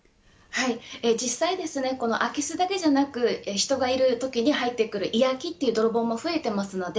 実際、空き巣だけじゃなく人がいるときに入ってくる居空きという泥棒も増えています。